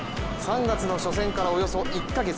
３月の初戦からおよそ１カ月。